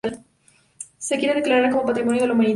Se quiere declarar como Patrimonio de la Humanidad.